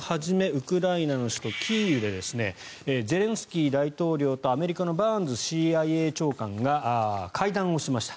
ウクライナの首都キーウでゼレンスキー大統領とアメリカのバーンズＣＩＡ長官が会談をしました。